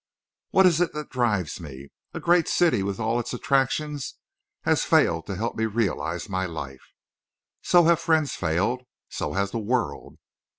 What is it that drives me? A great city with all its attractions has failed to help me realize my life. So have friends failed. So has the world.